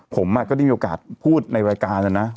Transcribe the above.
ผมก็ได้มีโอกาสพูดในรายการนะนะ